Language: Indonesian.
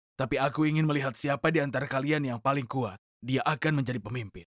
tetapi aku ingin melihat siapa di antara kalian yang paling kuat dia akan menjadi pemimpin